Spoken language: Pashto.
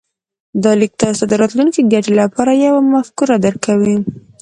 دا ليک تاسې ته د راتلونکې ګټې لپاره يوه مفکوره درکوي.